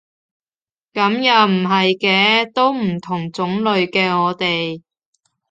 噉又唔係嘅，都唔同種類嘅我哋